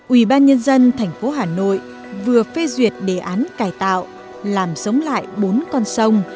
ủy ban nhân dân thành phố hà nội vừa phê duyệt đề án cải tạo làm sống lại bốn con sông